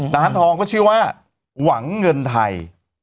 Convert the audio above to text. ร้านทองก็ชื่อว่าหวังเงินไทย